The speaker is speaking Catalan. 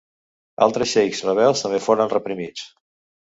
Altres xeics rebels també foren reprimits.